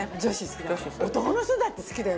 男の人だって好きだよ